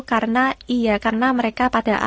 karena mereka pada saatnya